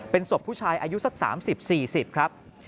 เป็นศพผู้ชายอายุสัก๓๐๔๐ครับ